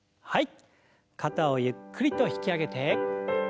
はい。